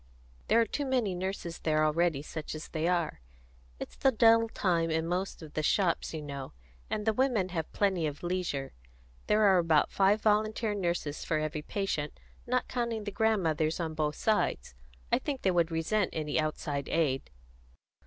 "There are too many nurses there already, such as they are. It's the dull time in most of the shops, you know, and the women have plenty of leisure. There are about five volunteer nurses for every patient, not counting the grandmothers on both sides. I think they would resent any outside aid."